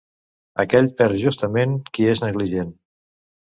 Aquell perd justament, qui és negligent.